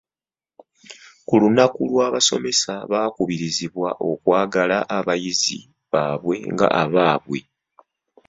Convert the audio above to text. Ku lunaku lw'abasomesa baakubirizibwa okwagala abayizi baabwe nga abaabwe.